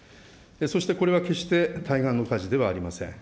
そしてこれは決して対岸の火事ではありません。